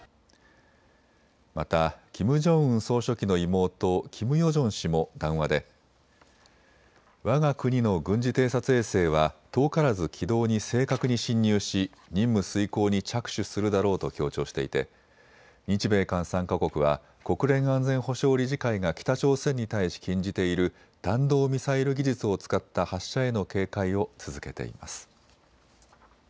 またキム・ジョンウン総書記の妹、キム・ヨジョン氏も談話でわが国の軍事偵察衛星は遠からず軌道に正確に進入し任務遂行に着手するだろうと強調していて日米韓３か国は国連安全保障理事会が北朝鮮に対し禁じている弾道ミサイル技術を使った発射への警戒を続けています。